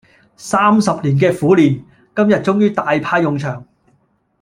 三十年嘅苦練，今日終於大派用場